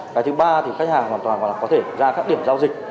cái thứ ba thì khách hàng hoàn toàn có thể ra các điểm giao dịch